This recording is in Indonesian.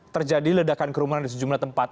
terjadi ledakan kerumunan di sejumlah tempat